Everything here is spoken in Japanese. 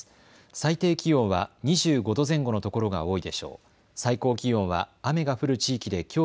最低気温は２５度前後のところが多いでしょう。